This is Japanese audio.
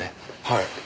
はい。